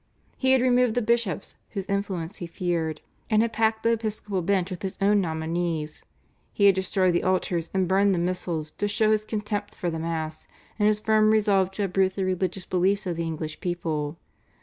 He had removed the bishops whose influence he feared, and had packed the episcopal bench with his own nominees. He had destroyed the altars and burned the missals to show his contempt for the Mass, and his firm resolve to uproot the religious beliefs of the English people.